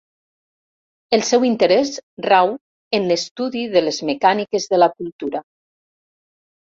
El seu interès rau en l'estudi de les mecàniques de la cultura.